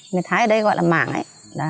người thái ở đây gọi là mảng ấy